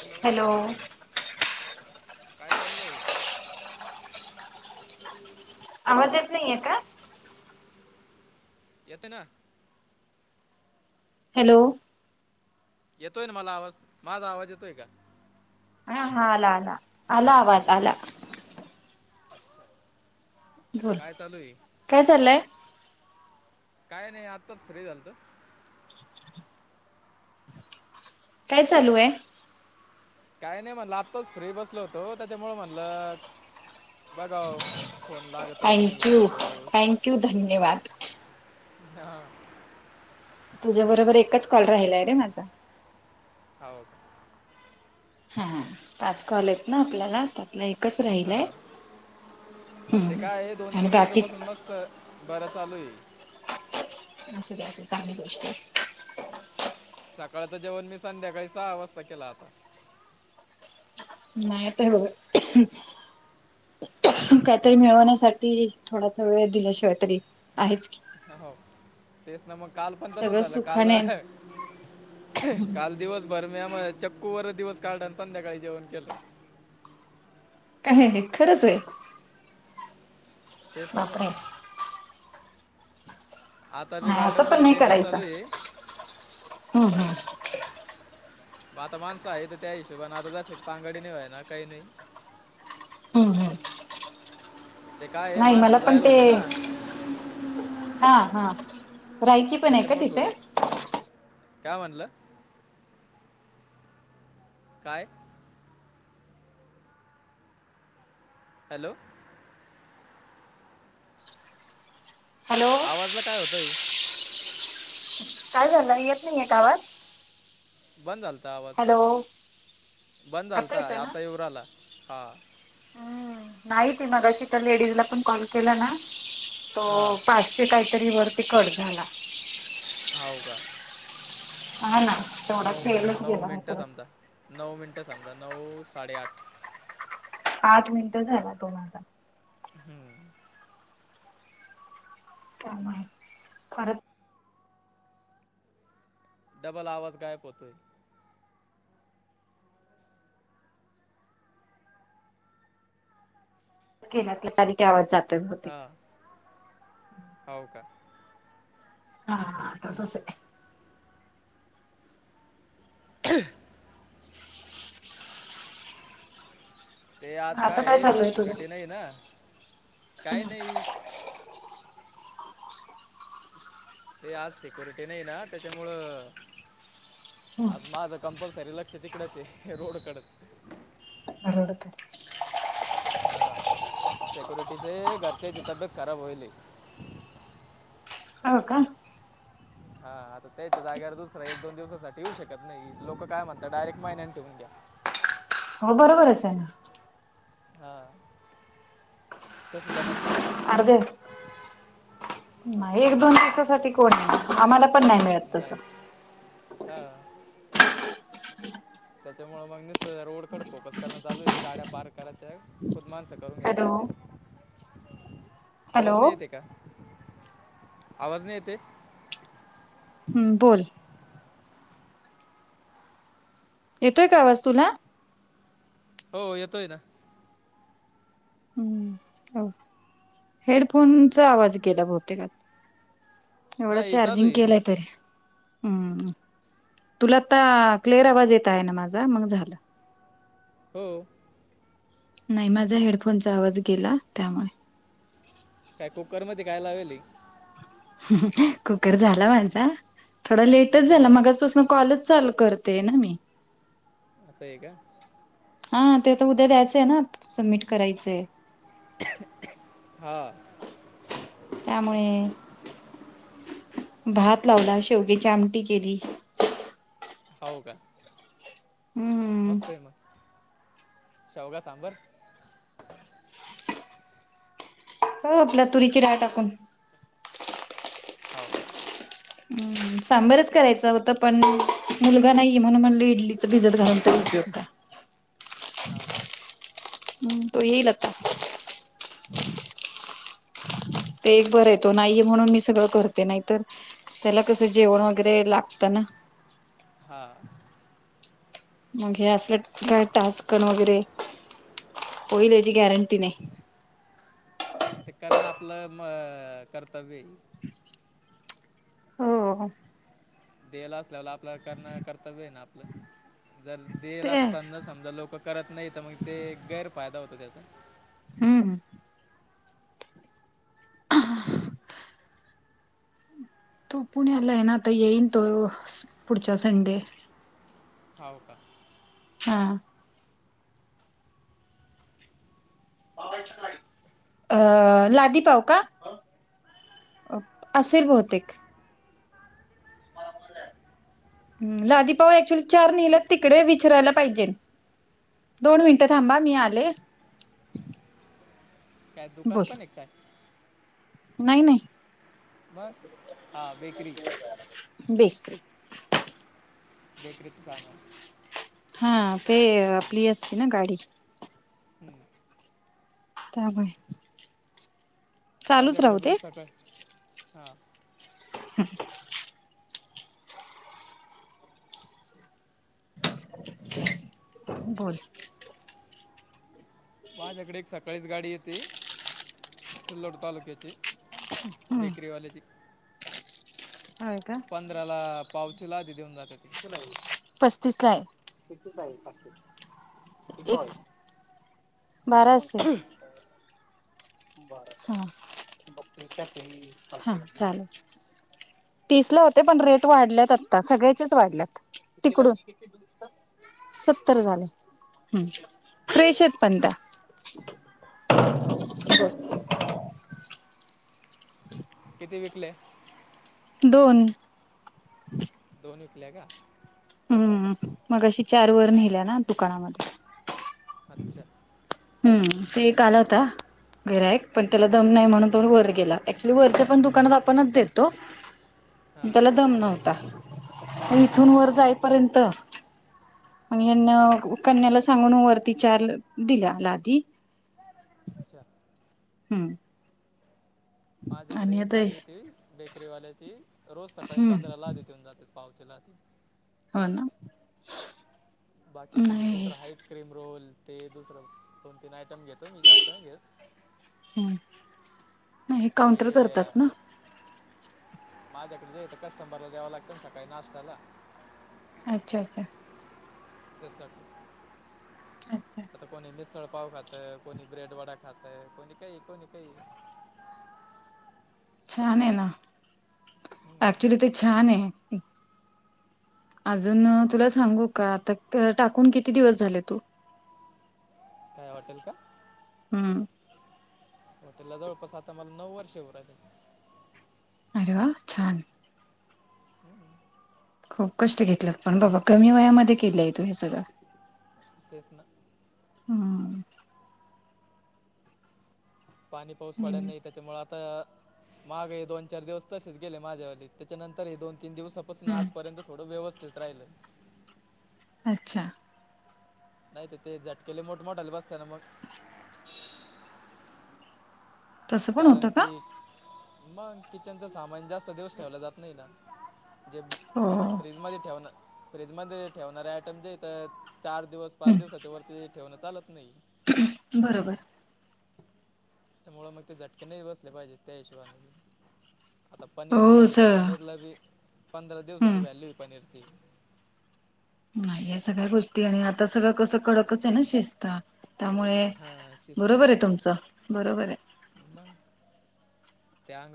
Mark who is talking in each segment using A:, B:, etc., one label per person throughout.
A: Hello. काय चालय?
B: आवाज येत नाहीेये का?
A: येते ना.
B: हॅलो.
A: येतोय ना मला आवाज. माझा आवाज येतोय का?
B: हा हा आला आला. आला आवाज आला. बोल.
A: काय चालूये?
B: काय चाललंय
A: काय नाही आत्ताच फ्री झालतो.
B: काय चालूये?
A: काही नाही म्हणलं. आत्ताच फ्री बसलो होतो. त्याच्यामु म्हणलं बगाव. फोन लागेतो का? नाही
B: थँक्यू
A: लागतो.
B: थँक्यू धन्यवाद.
A: ह.
B: तुझ्या बरोबर एकच कॉल राहिलाय रे. माझा.
A: हाव.
B: हा. पाच कॉलेत ना. आपल्याला आता. एकच राहिलाय.
A: हां
B: ह. आणि बाकी
A: तर बरं चालूये.
B: असूद्या, असूद्या, चांगली गोष्टय.
A: सकाळचं जेवण मी. संध्याकाळी सहा वाजता केल. आता.
B: नाहीयेत हो. काहीतरी मिळवण्यासाठी. थोडासा वेळ दिल्याशिवाय तरी. आहेच की.
A: ह हो. तेच ना म. काल पण तस
B: सगळं
A: झालं. काल,
B: सुखाने
A: काल दिवस भर. म्या म चक्कू वर दिवस काढल. अन संध्याकाळी जेवण केलं.
B: काय हे खरंचे.
A: तेच ना. म.
B: बापरे
A: आता बी
B: असं पण
A: गार्डनमध्ये
B: नाही
A: टेपलं
B: करायचं.
A: चालू आहे
B: हम्म हम्म.
A: आता माणसं आहे त. त्या हिशोबाने आता. जरशीक पाघडी नाही होयना. काही नाही.
B: हम्म हम्.
A: ते काय हे
B: पण
A: मानसजयला
B: ते
A: होते ना.
B: हा हा राहायची पण आहे का
A: त्याच्यामुळे
B: तिथे
A: थोडे काय म्हनलं काय? हॅलो.
B: हॅलो
A: आवाज ला काय होतई.
B: काय झालं येत नाहीये गावात
A: बंद झालता आवाज बंद झालता
B: येतोय ना
A: आता येवरा आला हा.
B: हम्म नाहीती मगशी तर लेडीज ला पण कॉल केला ना तो
A: हा
B: पा. काहीतरी वरती कट झाला.
A: होव का?
B: अ ना. तेवढा
A: नऊ
B: फेलच
A: नऊ
B: गेला नाही
A: मिनटं
B: तर
A: समजा नऊ मिनटं समजा नऊ साडे आठ.
B: आठ मिनट झाला तु माला
A: हम्म.
B: त्या माहि
A: डबल आवाज गायक होतोय.
B: तारीख त्याव जातोय.
A: हा
B: बहुतेक
A: हो का?
B: हा ह आता सोसे
A: [unintelligible] ते आज
B: आता
A: काय आहे
B: चालू तुझं
A: सिक्युरिटी नाही ना काय नाही. ते आज सिक्युरिटी नाही ना त्याच्यामुळं.
B: हम्म
A: आज माझं कं्पल्सरी लक्ष तिकडच आहे रोडकडच
B: अरडक.
A: हा सेक्युरिटीचे घरच्याची तब्येत खराब होईल.
B: हो का?
A: हाता त्याच्या जागेवर दुसरा एक दोन दिवसासाठी येऊ शकत नाही लोक काय म्हणतात डायरेक्ट महिनने ठेवून घ्या.
B: हो बरोबर आहेच आहे ना.
A: हा तस जमत नाही ना.
B: अर्ज नाही एक दोन
A: हम्म,
B: दिवसासाठी कोण आहे आम्हाला पण नाही मिळा.
A: नाही हां. त्याच्यामुळे मग नसत रोडकडे फोकस करण चालू आहे गाड्या पार्क करायच्या खूप मानसक करून घ्या
B: हॅलो
A: त्या दिस आवाज
B: हॅलो
A: नाही येते का? आवाज नाही येते.
B: हम्म बोल. येतोय का आवाज तुला
A: हो येतोय ना.
B: हम्म हो हेडफोनचा आवाज गेला बहतेकात एवढं
A: नाही चालू
B: चार्जिंग
A: आहे
B: केलंय तरी हम्म तुला आता क्लिअर आवाज येत आहे ना माझा मग झालं.
A: हो.
B: नाही माझा हेडफोनचा आवाज गेला त्यामुळे
A: काय कुकरमध्येती काय लावेल.
B: कुकर झाला माझा थोडं लेटच झाला मग सन कॉलेज चाल करते ना मी
A: असं आहे का?
B: हा ते तर उद्या द्यायचंय ना सबमिट करायचंय
A: हा
B: त्यामुळे भात लावला शेवगेची आमटी केली
A: होाऊ का
B: हम्म
A: असतय मग शवगा सांबर
B: हो आपल्या तुरीची रा टाकून
A: हो का
B: हम् सांबरच करायच होत पण मुलगा नाही म्हणून म्हणल इडली बिजत घालून तरी उपयोग का
A: हो का
B: हम्म तो य लता
A: हं ह
B: ते एक बरं येतो नाहीे म्हणून मी सगळं करते नाहीत त्याला कसं जेवण वगैरे लागतं ना
A: हा
B: मग हे असलं काय टास्कण वगैरे होईल याची गॅरंटी नाही
A: ते करणं आपलं म कर्तव्य
B: हो
A: देला असल्याव आपल्या करण कर्तव्य आहे ना आपलं जर देल
B: तेच
A: असताना समजा लोक करत नाही तर मग ते गैरफायदा होतो त्याचा
B: हम्म तो पुण्याला आहे ना आता येईन तो पुढच्या संडे
A: होव का
B: हा अ लादी पाव का असशीर बौतेिक ह लादीिपाऊ क्चुली चार नल्यात तिकडे विचरायला पाहिजे दोन मिनिटं थांबा मी आले
A: काय दुकान
B: बोल
A: पण एक काय
B: नाही नाही
A: बर हा बेकरी
B: बक
A: देख रत साम
B: हा ते आपली असती ना गाडी
A: हम्म
B: त्याबय
A: माझ्याकडे
B: राहू दे
A: रोज सकाळ हा
B: हम् बोल
A: माझ्याकडे एक सकाळीच गाडी येते सिल्लोड तालुक्याची
B: हम्म
A: बेकरीवालेची
B: हय का
A: पावचे लाधी देऊन जात ती
B: पस्तीस ला आहे बारं असेल हा हा चालेल पिसला होते पण रेट वाढल्यात आता सगळ्याचेच वाढल्यात तिकडून सत्तर झाले फ्रेश आहेत पण त्या
A: [inaudible] किती विकले
B: दोन
A: दोनही कल्या का?
B: हम्म मग अशी चार वर नेल्या ना दुकानामध्ये
A: अच्छा.
B: हम्म ते एक आला होता. घर आहे पण त्याला दम नाही, म्हणून तो वर गेला क्च्युली वरच्या पण दुकानात आपणच देतो.
A: हां
B: त्याला दम नव्हता इथून वर जाईपर्यंत
A: हां
B: मग कन्याला सांगून वरती चार दिल्याला लादी
A: अच्छा.
B: हम्म.
A: माझ्याकडे
B: आणि
A: एक
B: आता
A: गाडी येते बेकरीवाल्याची रोज सकाळी
B: हम्म
A: पंधरा लादी देऊन जातेत. पावचे लादी
B: हो ना.
A: बाकी म्हणजे
B: नाही
A: दुसरं हासक्रीम रोल ते दुसरं दोन तीन आयटम घेतो मी जास्त ना घेतो.
B: ह् नाही
A: ते
B: काउंटर करतात ना.
A: हे माझ्याकडे जे येतात कस्टमरला द्यावं लागतं ना सकाळी नाष्ट्याला
B: अच्छा अच्छा.
A: तेचसाठी
B: अच्छा.
A: आता कोणी मिसळपाव खातंय. कोणी ब्रेड वडा खातंय कोणी काही कोणी काही
B: छान आहे ना ऍक्चुली ते छान आहे. अजून तुला सांगू का आता टाकून किती दिवस झाले तू
A: काय हॉटेल का?
B: हम.
A: हॉटेलला जवळपास आता मला नऊ वर्षे होऊ राहीले.
B: अरे वा छान.
A: ह.
B: खूप कष्ट घेतलं पण बाबा कमी वयामध्ये केलेय तू हे सगळं.
A: तेच ना.
B: हम्म
A: पाणी पाऊस पडयला
B: हम्म
A: नाही त्याच्यामुळं आता मागं हे दोन चार दिवस तसेच गेले माझ्यावाली त्याच्यानंतर हे दोन तीन दिवस सपोज ना
B: हम्म.
A: आजर्यंत थोडं व्यवस्थित त राहिले.
B: अच्छा.
A: नाही ते झटके लय मोठमोठाले बसतेले ना मग
B: तसं पण
A: कारण
B: होतं का
A: की मग किचनच सामान जास्त दिवस ठेवले जात नाही ना जे
B: हो हो.
A: फ्रीजमध्ये ठेवाव लागतं. फ्रीज मध्ये ठेवणारे आयटम जे तर चार दिवस पाच
B: हम्म,
A: दिवसाच्या वरती ठेवणं चालत नाही.
B: बरोबर.
A: त्यामुळं मग ते झटके नाही बसले पाहिजेत त्या हिशोबाने आता पनीर जे
B: हो
A: आहे,
B: सर
A: पनीरला बी पंधरा दिवसाची
B: हम्म
A: व्हॅल्यू आहे पनीरची
B: आणि या सगळ्या गोष्टी आणि आता सगळं कसं कडकच आहे ना शिस्त त्यामुळे
A: हां शिस्त.
B: बरोबर आहे तुमचं बरोबर आहे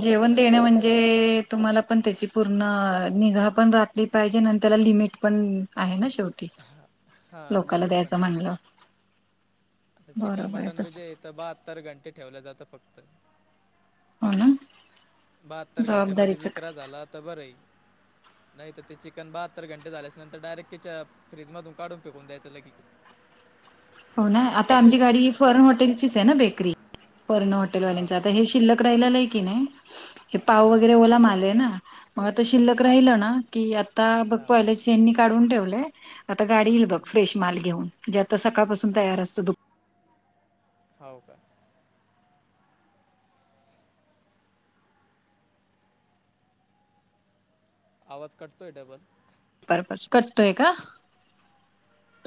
B: जेवणं देणं म्हणजे तुम्हाला पण त्यांची पूर्ण निघा पण राखली पाहिजे, आणि त्याला लिमिट पण आहे ना शेवटी
A: हां हां
B: लोकाला
A: लिमिट पण
B: द्यायचं
A: आहे त्याला
B: म्हनलं.
A: आता चिकन मटन बी जे हीत बहात्तर घंटे ठेवलं जातं फक्त
B: हो ना.
A: बहात्तर घंट्यामध्ये
B: जबाबदारीच
A: विकरा झालातर बरं आहेय. नाही तर ते चिकन बहात्तर घंटे झाल्याच्या नंतर डायरेक्ट फ्रीजमधून काढून फेकून द्यायचं लगे.
B: [unintelligible] हो ना आता आमची गाडी फर्न हॉटेलचीच आहे ना बेकरी फर्न
A: हां
B: हॉटेलवाल्यांच आता हे शिल्लक राहीललेय की नाय हे पाव
A: हां
B: वगैरे ओला माल ये ना म आता शिल्लक
A: हां
B: राहिल ना की आता बघ
A: हां
B: पहिलंच यांनी काढून ठेवलय. आता गाडी येईल बघ
A: हं.
B: फ्रेश माल घेऊन म्हणजे आता सकाळपासून तयार असतो दु
A: हाव का आवाज कटतोय डबल
B: परपज कटतोय का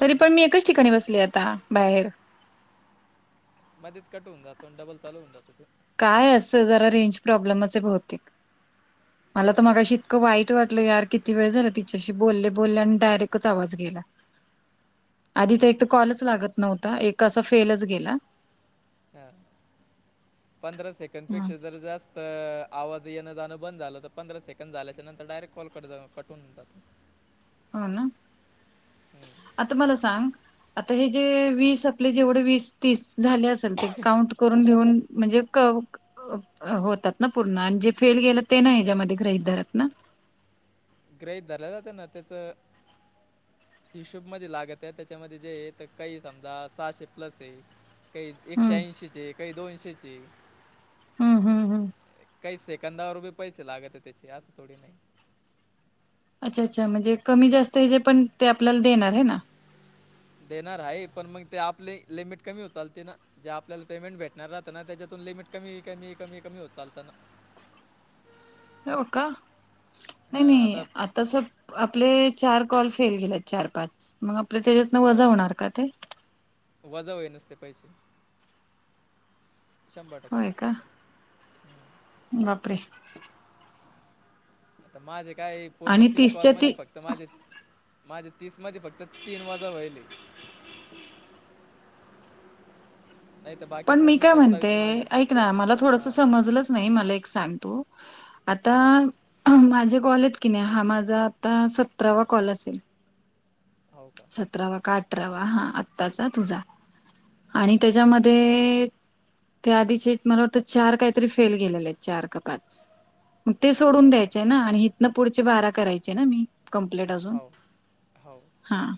B: तरी पण मी एकच ठिकाणी बसले आता बाहेर
A: मध्येच कट होवून जातो डबल चालू होवून जातो ते
B: काय अस जरा रेंज प्रॉब्लेमच हाय भौतेक मला त
A: हां.
B: मगाशी इतकं वाईट वाटलं यार किती वेळ झाला तिच्याशी बोल्ले बोल्ले आणि डायरेक्टच आवाज गेला. आधी
A: हं,
B: त एक
A: हं.
B: त कॉलच लागत नव्हता एक असा फेलच गेला.
A: ह पंधरा सेकंड पेक्षा
B: हो
A: जर जास्त अ आवाज येणं जाणं बंद झालं तर पंधरा सेकंड झाल्याच्या नंतर डायरेक्ट कॉल कट झा कट होवून जातो.
B: हो न आता मला सांग आता हे जे वीस आपले जेवढे वीस तीस झाले असेल ते काउंट करून घेऊन म्हणजे क अ होतात ना पूर्ण आणि जे फेल गेलं ते नाय हयाच्यामध्ये ग्रहित धरत ना
A: ग्रहित धरल्या जाते ना त्याचं हिशोब मध्ये लागत्यात त्याच्यामध्ये जे येत काही समजा सहाशे प्लस ये काही एकशे ऐंशीचं ये चे काही दोनशेचं ये
B: हूं
A: काही सेकंदावर बी पैसे लागत्या त्याचे असं थोडी ना ये
B: अच्छा अच्छा म्हणजे कमी जास्त जे पण ते आपल्याला देणार हे ना
A: देणार हाये पण मग ते आपले लिमिट कमी होत चालते ना जे आपल्याला पेमेंट भेटणार राहतं ना त्याच्यातून लिमिट कमी कमी कमी कमी होत चालत ना.
B: हो का नय
A: हां आता
B: नय आत तसं आपले चार कॉल फेल गेलेत चार पाच मग आपले त्याज्यातन वजा
A: हां
B: होणार का ते
A: वजा होईनच ते पैसे शंभर
B: होय का
A: टक्के
B: बापरे!
A: आत माझे काय पूर्ण
B: आणि
A: तीस
B: तीसच्या ती
A: कॉलमध्ये फक् क्त माझे माझे तीस मध्ये फक्त तीन वजा व्हायले. नाही तर बाकी
B: पण मी
A: पूर्ण
B: काय म्हणते
A: सत्तावीस माझे
B: ऐक ना मला थोडस
A: हां
B: समजलंच नाही मला एक सांग तू आता
A: हां
B: माझे कॉल येत की नाय हा माझा आता सतरावा कॉल असेल
A: हाव का
B: सतरावा का आठरावा हा आताचा तुझा आणि त्याच्यामध्ये ते आधीचे येत मला वाटतं चार कायतरी फेल गेलेलेत चार का पाच मग ते सोडून
A: हो का
B: द्यायचे ना आणि इथन पुढचे बारा करायचे ना मी
A: हाव हाव
B: हां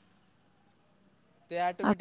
A: ते ऑटोमॅटिक